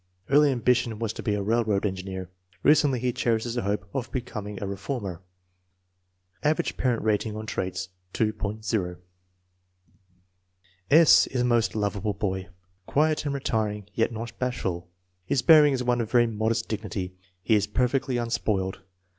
*' Early ambition was to be a railroad engineer. Recently he cherishes the hope of becoming a reformer! Average parent rating on traits, 2.00. S. is a most lovable boy, quiet and retiring yet not bashful. His bearing is one of very modest dignity. He is perfectly unspoiled.